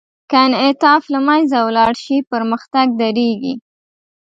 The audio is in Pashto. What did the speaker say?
که انعطاف له منځه ولاړ شي، پرمختګ درېږي.